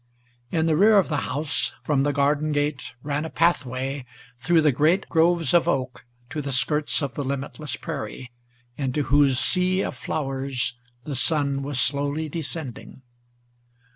In the rear of the house, from the garden gate, ran a pathway Through the great groves of oak to the skirts of the limitless prairie, Into whose sea of flowers the sun was slowly descending.